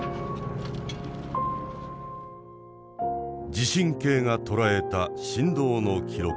地震計がとらえた震動の記録。